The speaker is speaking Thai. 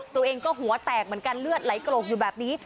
ตัวเองก็หัวแตกเหมือนกันเลือดไหลโกรกอยู่แบบนี้